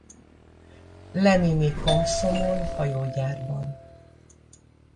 Lenini Komszomol hajógyárban.